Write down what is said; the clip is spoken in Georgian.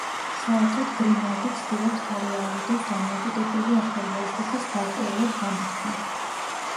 საერთოდ გრიმალდი ცდილობს თავი აარიდოს დამოუკიდებელი ახალი აზრების გარკვეულად გამოთქმას.